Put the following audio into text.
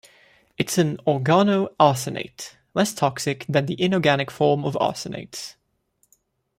It is an organo-arsenate; less toxic than the inorganic form of arsenates.